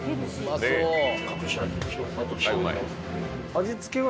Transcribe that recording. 味付けは？